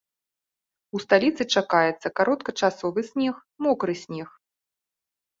У сталіцы чакаецца кароткачасовы снег, мокры снег.